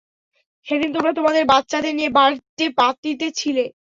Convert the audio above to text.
সেদিন তোমরা তোমাদের বাচ্চাদের নিয়ে বার্থডে পার্টিতে ছিলে।